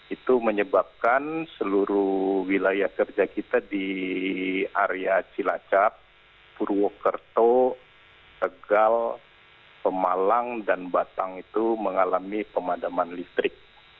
itu menyebabkan seluruh wilayah kerja kita di area cilacap purwokerto tegal pemalang dan batang itu mengalami pemadaman listrik